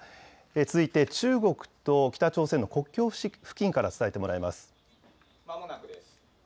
続いて中国と北朝鮮の国境付近から伝えてもらいます。